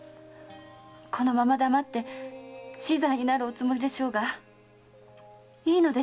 このまま黙って死罪になるおつもりでしょうがいいのですか？